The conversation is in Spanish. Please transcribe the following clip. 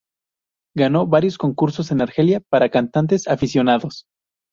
Ganó varios concursos en Argelia para cantantes aficionados.